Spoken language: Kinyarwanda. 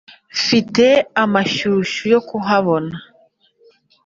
mfite amashyushyu yo kuhabona.